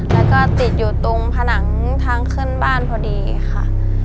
แล้วก็ติดอยู่ตรงผนังทางขึ้นบ้านพอดีค่ะ